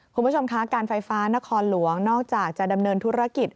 คุณผู้ชมคะการไฟฟ้านครหลวงนอกจากจะดำเนินธุรกิจ